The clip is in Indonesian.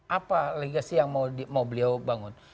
apa legasi yang mau beliau bangun